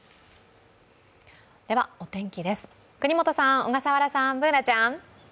お天気です、國本さん、小笠原さん、Ｂｏｏｎａちゃん。